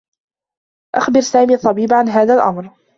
أخبر سامي الطّبيب عن هذا الأمر.